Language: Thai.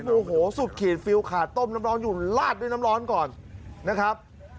โมโหสุดขีดฟิลขาดต้มน้ำร้อนอยู่ลาดด้วยน้ำร้อนก่อนนะครับ